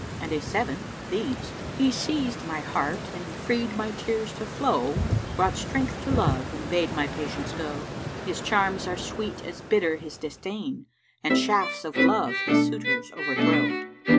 And a seventh these, "He seized my heart and freed my tears to flow * Brought strength to Love and bade my Patience go. His charms are sweet as bitter his disdain; * And shafts of love his suitors overthrow.